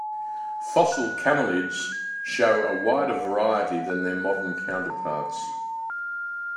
Fossil camelids show a wider variety than their modern counterparts.